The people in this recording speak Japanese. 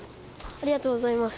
ありがとうございます